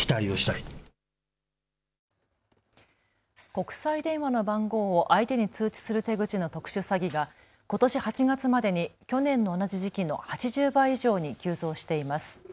国際電話の番号を相手に通知する手口の特殊詐欺がことし８月までに去年の同じ時期の８０倍以上に急増しています。